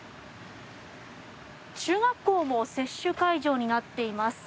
中学校も接種会場になっています。